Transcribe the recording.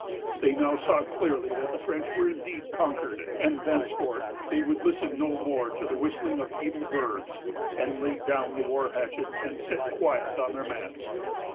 They now saw clearly that the French were indeed conquered; and thenceforth they would listen no more to the whistling of evil birds, but lay down the war hatchet, and sit quiet on their mats.